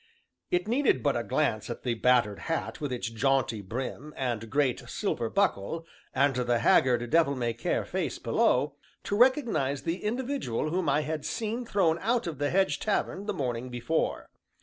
It needed but a glance at the battered hat with its jaunty brim, and great silver buckle, and the haggard, devil may care face below, to recognize the individual whom I had seen thrown out of the hedge tavern the morning before.